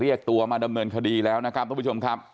เรียกตัวมาดำเนินคดีแล้วนะครับทุกผู้ชมครับ